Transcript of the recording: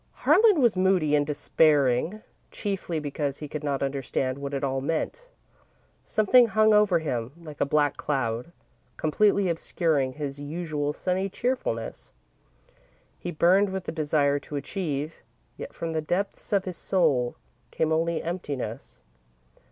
Harlan was moody and despairing, chiefly because he could not understand what it all meant. Something hung over him like a black cloud, completely obscuring his usual sunny cheerfulness. He burned with the desire to achieve, yet from the depths of his soul came only emptiness.